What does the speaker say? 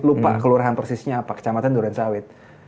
lupa kelurahan persisnya apa kecamatan durensawit